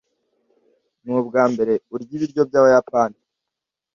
nubwambere urya ibiryo byabayapani